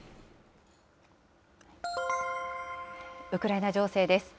ウクライナ情勢です。